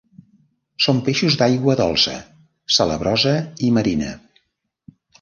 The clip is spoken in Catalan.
Són peixos d'aigua dolça, salabrosa i marina.